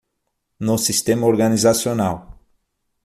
No sistema organizacional